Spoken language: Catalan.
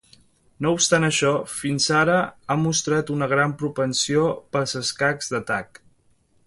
No obstant això, fins ara ha mostrat una gran propensió pels escacs d'atac.